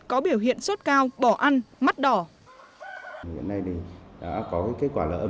có biểu hiện suất cao bỏ ăn mắt đỏ